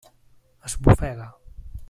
Esbufega.